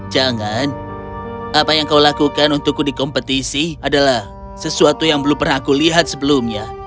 jangan apa yang kau lakukan untukku di kompetisi adalah sesuatu yang belum pernah aku lihat sebelumnya